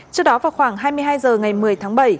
trước đó vào khoảng hai mươi hai h ngày một mươi tháng bảy